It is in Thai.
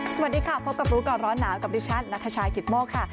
สวัสดีค่ะพบกับรู้ก่อนร้อนหนาวกับดิฉันนัทชายกิตโมกค่ะ